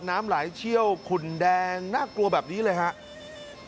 น้ำไหลเชี่ยวขุนแดงน่ากลัวแบบนี้เลยครับ